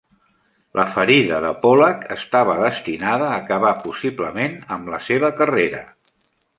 La ferida de Pollack estava destinada a acabar possiblement amb la seva carrera.